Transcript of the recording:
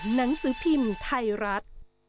หนังสือพิมพ์ไทยรัฐ